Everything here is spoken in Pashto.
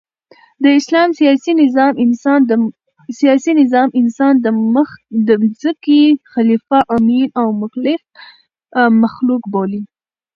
د اسلام سیاسي نظام انسان د مځکي خلیفه، امین او مکلف مخلوق بولي.